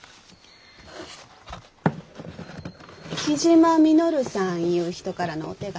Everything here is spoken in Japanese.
雉真稔さんいう人からのお手紙？